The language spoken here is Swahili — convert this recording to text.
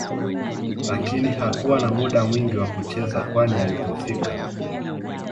lakini hakuwa na muda mwingi wa kucheza kwani ilipofika